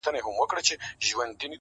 • نجلۍ له غوجلې سره تړل کيږي تل,